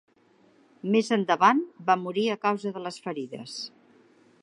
Més endavant, va morir a causa de les ferides.